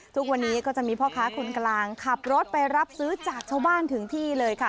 ทุกวันนี้ก็จะมีพ่อค้าคนกลางขับรถไปรับซื้อจากชาวบ้านถึงที่เลยค่ะ